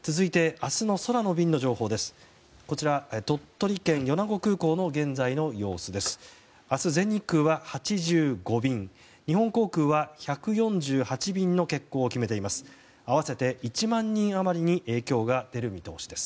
明日、全日空は８５便日本航空は１４８便の欠航を決めています。